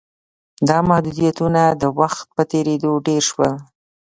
دا محدودیتونه د وخت په تېرېدو ډېر شول